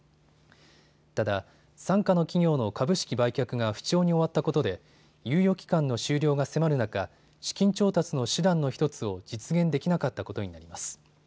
ただ、傘下の企業の株式売却が不調に終わったことで猶予期間の終了が迫る中、資金調達の手段の１つを実現できなかったことになります。